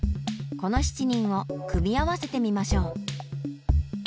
この７人を組み合わせてみましょう。